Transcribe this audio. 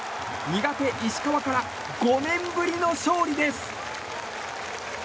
苦手、石川から５年ぶりの勝利です。